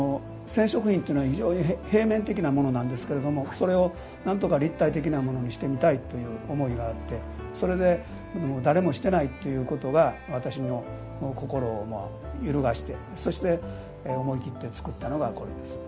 染織品というのは非常に平面的なものなんですけれどもそれをなんとか立体的なものにしてみたいという思いがあってそれで誰もしてないということが私の心を揺るがしてそして思い切って作ったのがこれです。